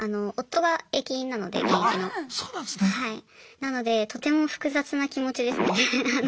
なのでとても複雑な気持ちですね。